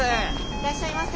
いらっしゃいませ！